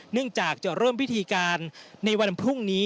เนื่องจากจะเริ่มพิธีการในวันพรุ่งนี้